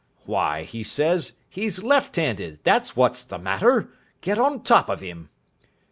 'Why,' he says, 'he's left handed, that's what's the matter. Get on top of him.'